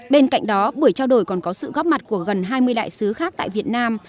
bên cạnh đó buổi trao đổi còn có sự góp mặt của gần hai mươi đại sứ khác tại việt nam